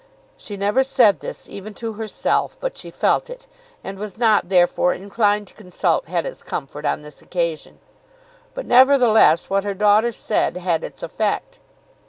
She never said this even to herself, but she felt it, and was not therefore inclined to consult Hetta's comfort on this occasion. But nevertheless, what her daughter said had its effect.